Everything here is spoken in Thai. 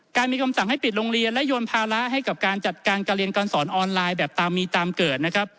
มีคำสั่งให้ปิดโรงเรียนและโยนภาระให้กับการจัดการการเรียนการสอนออนไลน์แบบตามมีตามเกิดนะครับ